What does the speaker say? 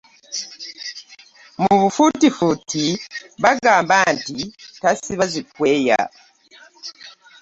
Mu bufuutifuuti bagamab nti tasiba zikweya .